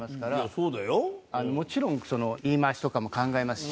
もちろん言い回しとかも考えますし。